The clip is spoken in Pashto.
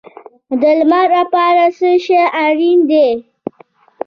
د لمر لپاره څه شی اړین دی؟